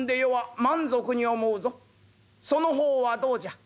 その方はどうじゃ？